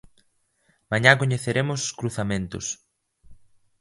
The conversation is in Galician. Mañá coñeceremos os cruzamentos.